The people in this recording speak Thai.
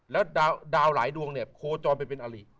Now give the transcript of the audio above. แล้วดาวหลายดวงโคลกจอมไปเป็นอาริ